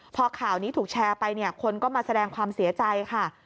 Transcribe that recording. พอข่าวนี้ถูกแชร์ไปเนี่ยคนก็มาแสดงความเสียใจค่ะ